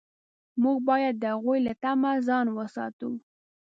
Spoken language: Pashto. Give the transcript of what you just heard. موږ باید د هغوی له طمع ځان وساتو.